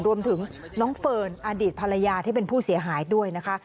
รวมถึงน้องเฟิร์นอดีตภรรยาที่เป็นผู้เสียหายด้วยนะคะ